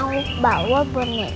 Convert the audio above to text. apa yg itu